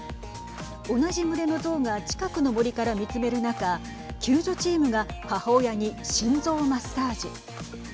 同じ群れのゾウが近くの森から見つめる中救助チームが母親に心臓マッサージ。